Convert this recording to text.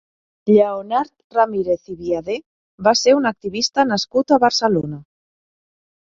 Lleonard Ramírez i Viadé va ser un activista nascut a Barcelona.